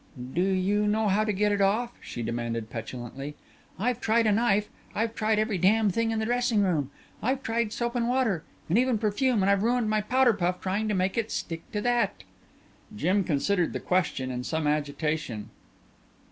"Do you know how to get it off?" she demanded petulantly. "I've tried a knife. I've tried every damn thing in the dressing room. I've tried soap and water and even perfume and I've ruined my powder puff trying to make it stick to that." Jim considered the question in some agitation.